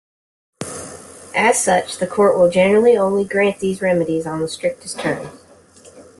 As such, the court will generally only grant these remedies on the strictest terms.